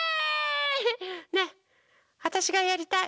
ねえわたしがやりたい。